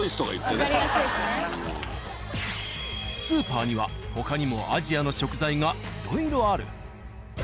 スーパーには他にもアジアの食材がいろいろある。